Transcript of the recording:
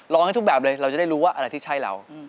ให้ทุกแบบเลยเราจะได้รู้ว่าอะไรที่ใช่เรา